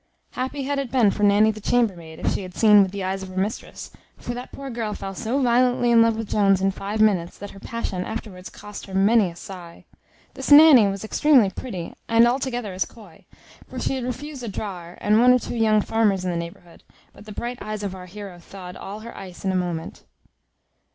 Happy had it been for Nanny the chambermaid, if she had seen with the eyes of her mistress, for that poor girl fell so violently in love with Jones in five minutes, that her passion afterwards cost her many a sigh. This Nanny was extremely pretty, and altogether as coy; for she had refused a drawer, and one or two young farmers in the neighbourhood, but the bright eyes of our heroe thawed all her ice in a moment.